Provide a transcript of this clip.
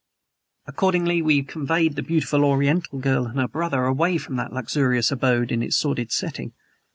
Accordingly we conveyed the beautiful Oriental girl and her brother away from that luxurious abode in its sordid setting.